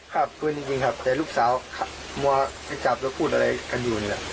ครับปืนจริงครับแต่ลูกสาวมัวให้จับแล้วพูดอะไรกันอยู่นี่แหละ